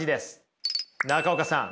中岡さん。